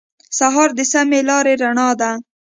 سهار د سمې لارې رڼا ده.